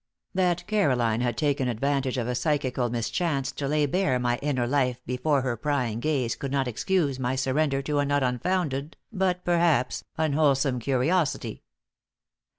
That Caroline had taken advantage of a psychical mischance to lay bare my inner life before her prying gaze could not excuse my surrender to a not unfounded but, perhaps, unwholesome curiosity.